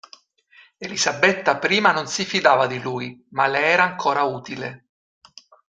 Elisabetta I non si fidava di lui, ma le era ancora utile.